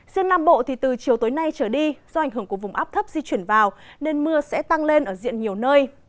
riêng nam bộ thì từ chiều tối nay trở đi do ảnh hưởng của vùng áp thấp di chuyển vào nên mưa sẽ tăng lên ở diện nhiều nơi